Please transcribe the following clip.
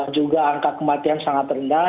juga angka kematian sangat rendah